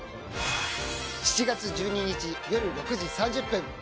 ７月１２日夜６時３０分。